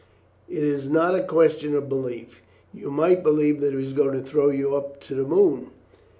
"It is not a question of belief. You might believe that he was going to throw you up to the moon.